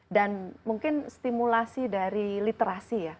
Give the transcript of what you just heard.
dan mungkin stimulasi dari literasi ya